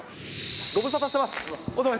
ご無沙汰してます。